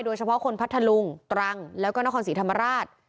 โดยเฉพาะคนพัทธลุงตรังแล้วก็นครศรีธรรมราช